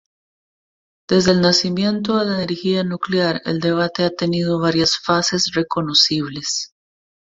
Desde el nacimiento de la energía nuclear el debate ha tenido varias fases reconocibles.